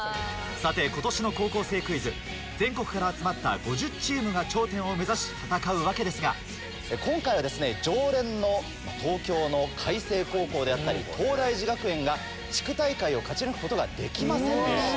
さて今年の『高校生クイズ』全国から集まった５０チームが頂点を目指し戦うわけですが今回はですね常連の東京の開成高校であったり東大寺学園が地区大会を勝ち抜くことができませんでした。